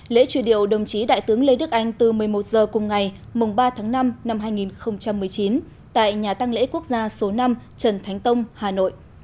lễ truy điệu đồng chí đại tướng lê đức anh từ một mươi một h cùng ngày ba tháng năm năm hai nghìn một mươi chín tại nhà tăng lễ quốc gia số năm trần thánh tông hà nội